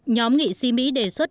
nhóm nghị sĩ mỹ đề xuất